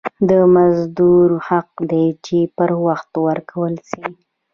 د مزدور حق دي پر وخت ورکول سي.